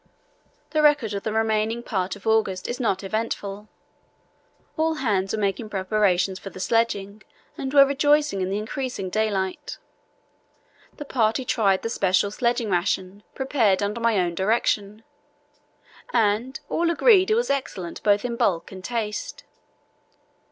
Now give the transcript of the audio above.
The record of the remaining part of August is not eventful. All hands were making preparations for the sledging, and were rejoicing in the increasing daylight. The party tried the special sledging ration prepared under my own direction, and "all agreed it was excellent both in bulk and taste."